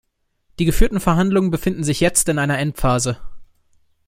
Die geführten Verhandlungen befinden sich jetzt in einer Endphase.